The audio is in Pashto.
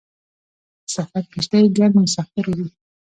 د سفر کښتۍ ګڼ مسافر وړي.